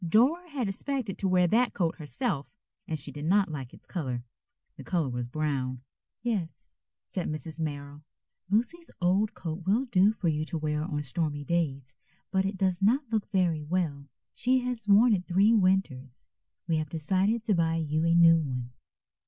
Dora had expected to wear that coat herself, and she did not like its color. The color was brown. "Yes," said Mrs. Merrill. "Lucy's old coat will do for you to wear on stormy days, but it does not look very well. She has worn it three winters. We have decided to buy you a new one."